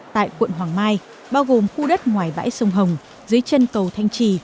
tại quận hoàng mai bao gồm khu đất ngoài bãi sông hồng dưới chân cầu thanh trì